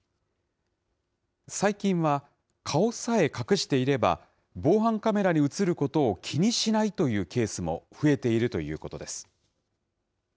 最近は、顔さえ隠していれば、防犯カメラに写ることを気にしないというケースも増えているということです。